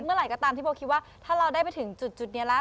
เมื่อไหร่ก็ตามที่โบคิดว่าถ้าเราได้ไปถึงจุดนี้แล้ว